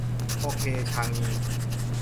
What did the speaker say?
โอเค ชางงี !